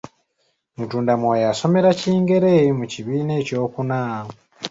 Mutundamwoyo asomera Kingere mu kibiina ekyokuna.